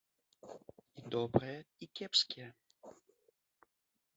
І добрыя, і кепскія.